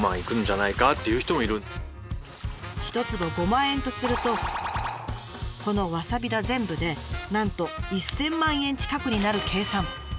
１坪５万円とするとこのわさび田全部でなんと１，０００万円近くになる計算。